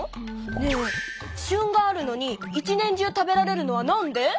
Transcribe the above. ねえしゅんがあるのに一年中食べられるのはなんで？